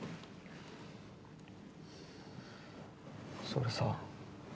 それでさ